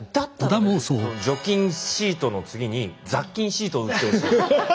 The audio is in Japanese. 僕除菌シートの次に雑菌シートを売ってほしい。